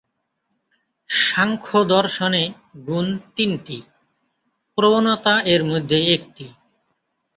সাংখ্য দর্শনে, গুণ তিনটি "প্রবণতা" এর মধ্যে একটি।